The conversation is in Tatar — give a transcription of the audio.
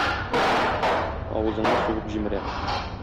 Авызыңны сугып җимерәм!